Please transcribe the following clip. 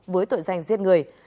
với tội danh giết người